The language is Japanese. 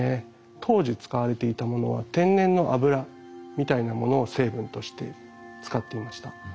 当時使われていたものは天然の脂みたいなものを成分として使っていました。